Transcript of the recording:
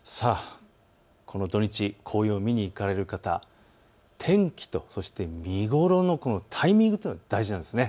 土日、紅葉を見に行かれる方、天気とそして見頃のタイミングというのが大事です。